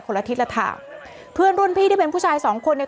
ละทิศละทางเพื่อนรุ่นพี่ที่เป็นผู้ชายสองคนเนี่ย